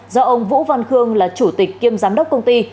do ông vũ văn khương là chủ tịch kiêm giám đốc công ty